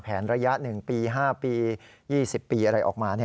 ระยะ๑ปี๕ปี๒๐ปีอะไรออกมา